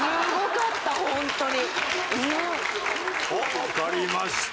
わかりました。